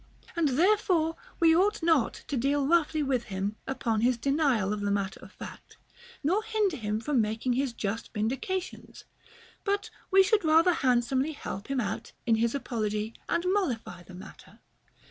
And therefore we ought not to deal roughly with him upon his denial of the matter of fact, nor hinder him from making his just vindication ; but we should rather handsomely help him out in his apology and mollify the matter.